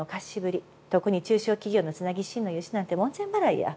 特に中小企業のつなぎ資金の融資なんて門前払いや。